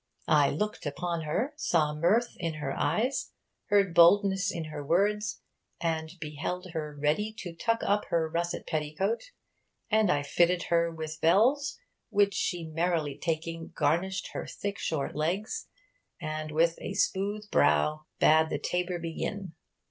I lookt upon her, saw mirth in her eies, heard boldness in her words, and beheld her ready to tucke up her russat petticoate; and I fitted her with bels, which she merrily taking garnisht her thicke short legs, and with a smooth brow bad the tabur begin.